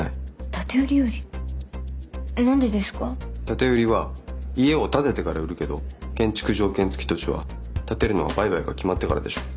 建て売りは家を建ててから売るけど建築条件付き土地は建てるのは売買が決まってからでしょ。